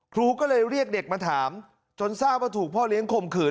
ครูก็เลยเรียกเด็กมาถามจนทราบว่าถูกพ่อเลี้ยงข่มขืน